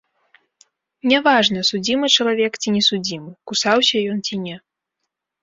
Не важна, судзімы чалавек, ці не судзімы, кусаўся ён ці не.